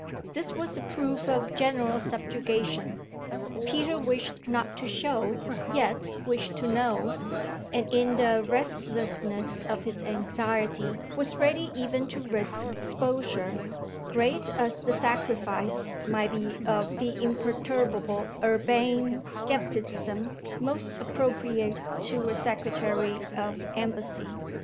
This was a proof of general subjugation. Peter wished not to show, yet wished to know, and in the restlessness of his anxiety was ready even to risk exposure, great as the sacrifice might be of the imperturbable, urbane scepticism most appropriate to a secretary of embassy.